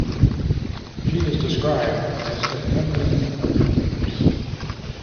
She is described as "the feminine of the universe".